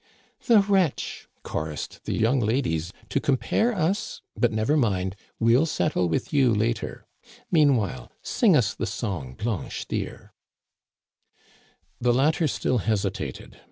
" The wretch !" chorused the young ladies, " to com pare us — But, never mind, we'll settle with you later. Meanwhile, sing us the song, Blanche, dear," The latter still hesitated.